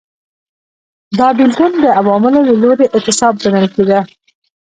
دا بېلتون د عوامو له لوري اعتصاب ګڼل کېده.